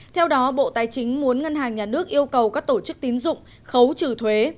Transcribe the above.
theo đó bộ tài chính muốn ngân hàng nhà nước yêu cầu các tổ chức tín dụng khấu trừ thuế